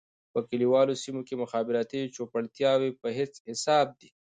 په کليوالي سېمو کې مخابراتي چوپړتياوې په هيڅ حساب دي.